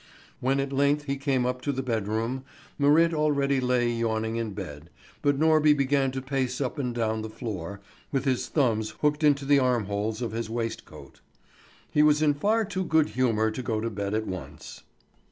When at length he came up to the bedroom, Marit already lay yawning in bed, but Norby began to pace up and down the floor, with his thumbs hooked into the armholes of his waistcoat. He was in far too good humour to go to bed at once.